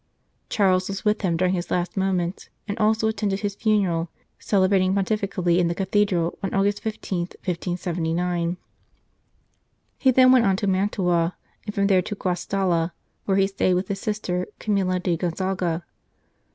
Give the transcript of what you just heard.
Charles was with him during his last moments, and also attended his funeral, cele brating pontifically in the cathedral on August 15, *579 He then went on to Mantua, and from there to Guastalla, where he stayed with his sister, Camilla di Gonzaga.